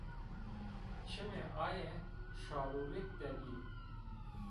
Çimê aye şalûrêk de bî